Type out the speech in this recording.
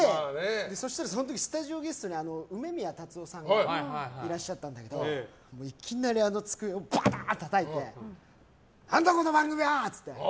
そしたらその時スタジオゲストに梅宮辰夫さんがいらっしゃったんだけどいきなり、机をバーンとたたいて何だこの番組は！って。